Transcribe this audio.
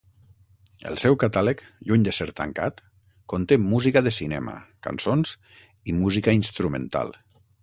El seu catàleg –lluny de ser tancat- conté música de cinema, cançons i música instrumental.